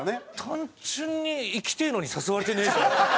単純に行きてえのに誘われてねえ。